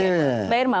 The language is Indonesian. mbak irma mbak irma